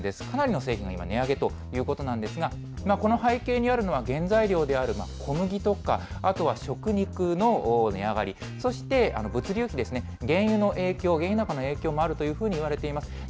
かなりの製品が値上げということなんですが、この背景にあるのは、原材料である小麦とか、あとは食肉の値上がり、そして物流費ですね、原油の影響、原油高の影響もあるというふうにいわれています。